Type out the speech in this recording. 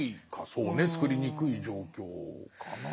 そうねつくりにくい状況かな。